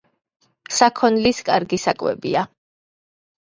საქონლის კარგი საკვებია.